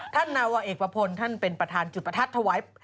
ท่านนาวะเอกประพลท่านเป็นประธานจุดถวัย